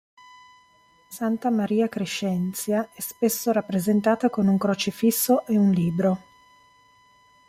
Santa Maria Crescenzia è spesso rappresentata con un crocifisso e un libro.